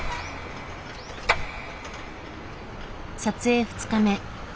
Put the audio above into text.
撮影２日目。